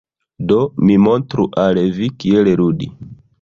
Do mi montru al vi kiel ludi.